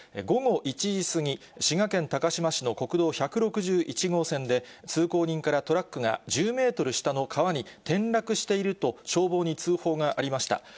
午後１時過ぎ、滋賀県高島市の国道１６１号線で、通行人から、トラックが１０メートル下の川に転落していると、消防に通報がありました。